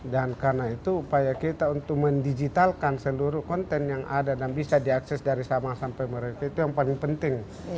dan karena itu upaya kita untuk mendigitalkan seluruh konten yang ada dan bisa diakses dari sama sampai mereka itu yang paling penting